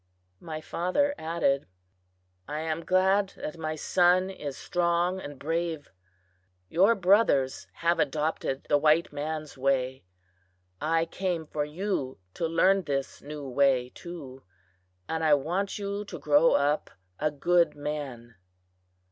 My father added: "I am glad that my son is strong and brave. Your brothers have adopted the white man's way; I came for you to learn this new way, too; and I want you to grow up a good man."